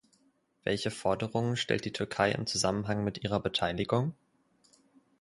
Welche Forderungen stellt die Türkei im Zusammenhang mit ihrer Beteiligung?